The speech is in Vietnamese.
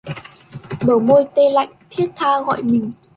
Bờ môi tê lạnh thiết tha gọi mình